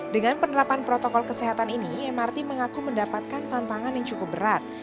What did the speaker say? dengan penerapan protokol kesehatan ini mrt mengaku mendapatkan tantangan yang cukup berat